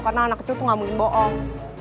karena anak kecil tuh gak mungkin bohong